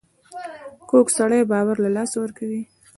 کوږ سړی باور له لاسه ورکوي